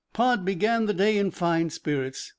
Pod began the day in fine spirits.